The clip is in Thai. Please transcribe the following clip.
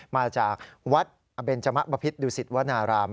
มาจากวัดอเบนจมะบพิษดุสิตวนาราม